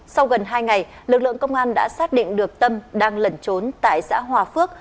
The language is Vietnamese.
sau gần hai ngày lực lượng công an đã xác định được tâm đang lẩn trốn tại xã hòa phước